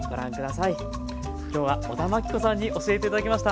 きょうは小田真規子さんに教えて頂きました。